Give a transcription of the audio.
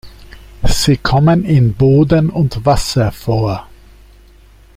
Sie kommen in Boden und Wasser vor.